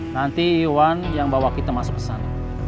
nanti iwan yang bawa kita masuk pesan